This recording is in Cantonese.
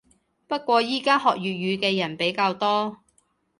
不過依家學粵語嘅人比較多